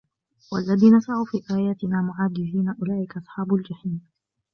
والذين سعوا في آياتنا معاجزين أولئك أصحاب الجحيم